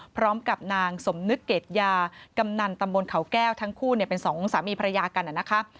พร้อมกับนางสมนึกเกรดยากำนันตำบลเขาแก้วทั้งคู่เป็นสองสามีภรรยากันนะคะ